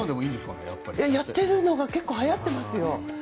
やってるのが結構はやってますよ。